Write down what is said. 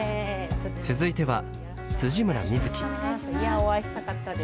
続いてはお会いしたかったです。